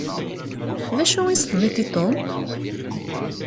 D acu i as-tenniḍ i Tom?